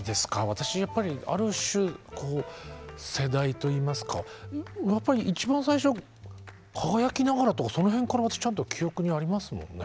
私やっぱりある種世代といいますかやっぱり一番最初「輝きながら」とかその辺から私ちゃんと記憶にありますもんね。